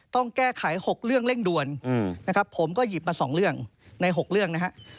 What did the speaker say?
ต้องแก้ไข๖เรื่องเร่งด่วนนะครับผมก็หยิบมา๒เรื่องใน๖เรื่องนะฮะ